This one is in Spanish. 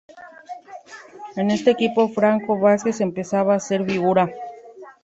En ese equipo Franco Vázquez empezaba a ser figura.